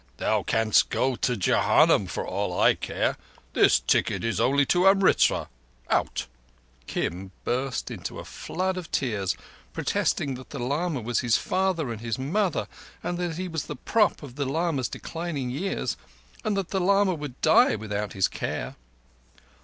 "Thou canst go to Jehannum for aught I care. This ticket is only—" Kim burst into a flood of tears, protesting that the lama was his father and his mother, that he was the prop of the lama's declining years, and that the lama would die without his care.